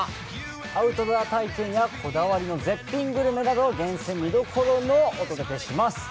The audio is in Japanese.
アウトドア体験やこだわりの絶品グルメなど厳選見どころをお届けします。